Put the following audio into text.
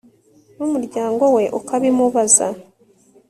n'umuryango we ukabimubaza